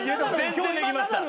全然できました。